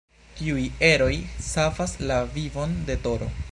Tiuj eroj savas la vivon de Toro.